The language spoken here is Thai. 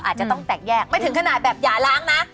อาจจะต้องแตกแยกไม่ถึงขนาดแบบอย่าล้างนะ